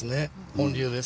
本流です。